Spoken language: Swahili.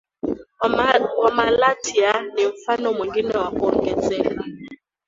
wa Malatya ni mfano mwengine wa kuongezeka